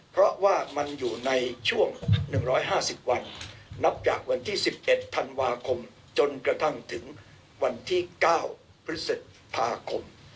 เพราะว่ามันอยู่ในช่วง๑๕๐วันนับจากวันที่๑๑ธันวาคมจนกระทั่งถึงวันที่๙พฤษภาคม